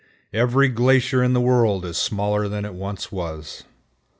Every glacier in the world is smaller than it once was.